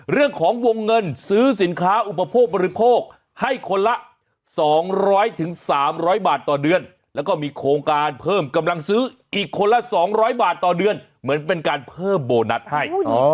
เรื่องของวงเงินซื้อสินค้าอุปโภคบริโภคให้คนละ๒๐๐๓๐๐บาทต่อเดือนแล้วก็มีโครงการเพิ่มกำลังซื้ออีกคนละ๒๐๐บาทต่อเดือนเหมือนเป็นการเพิ่มโบนัสให้